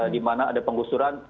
dimana ada penggusuran